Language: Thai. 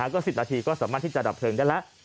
ก็๑๐นาทีก็สามารถที่จะดับเพลิงได้แล้ว